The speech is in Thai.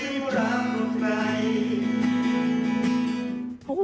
มันเจอชีวรักของใน